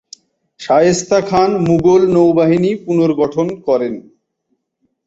শায়েস্তা খান মুগল নৌবাহিনী পুনর্গঠন করেন।